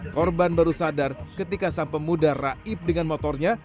korban baru sadar ketika sampah muda raib dengan motornya